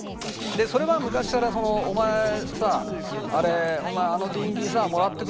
それは昔から「お前さお前あのディンギーさもらってくれよな」